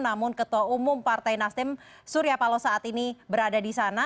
namun ketua umum partai nasdem surya paloh saat ini berada di sana